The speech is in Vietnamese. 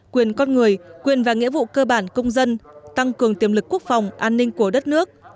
quyền con người quyền và nghĩa vụ cơ bản công dân tăng cường tiềm lực quốc phòng an ninh của đất nước